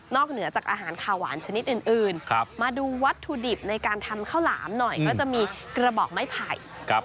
เหนือจากอาหารขาวหวานชนิดอื่นมาดูวัตถุดิบในการทำข้าวหลามหน่อยก็จะมีกระบอกไม้ไผ่